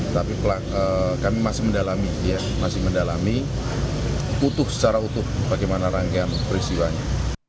tapi kami masih mendalami masih mendalami utuh secara utuh bagaimana rangkaian peristiwanya